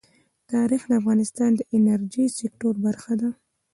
تاریخ د افغانستان د انرژۍ سکتور برخه ده.